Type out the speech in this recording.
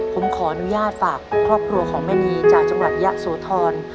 ผมขออนุญาตฝากครอบครัวของแม่นีจากจังหวัดยะโสธร